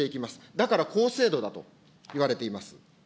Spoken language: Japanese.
だから高精度だといわれています。